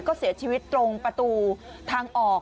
ก็เสียชีวิตตรงประตูทางออก